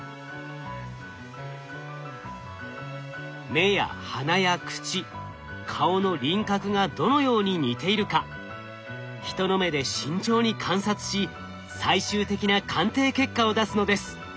目や鼻や口顔の輪郭がどのように似ているか人の目で慎重に観察し最終的な鑑定結果を出すのです。